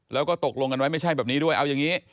แล้วก็ตกลงกันไว้ไม่ใช่แบบนี้ด้วยเอาอย่างนี้